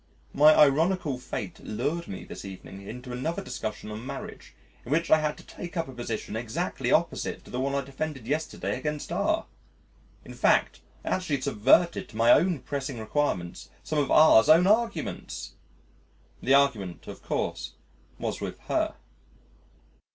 My ironical fate lured me this evening into another discussion on marriage in which I had to take up a position exactly opposite to the one I defended yesterday against R . In fact, I actually subverted to my own pressing requirements some of R 's own arguments! The argument, of course, was with Her.